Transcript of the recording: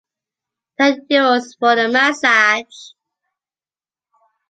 Ten euros for the massage!